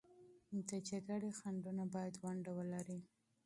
د جګړې خنډونه باید ونډه ولري.